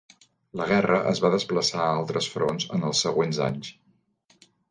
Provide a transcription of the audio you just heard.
La guerra es va desplaçar a altres fronts en els següents anys.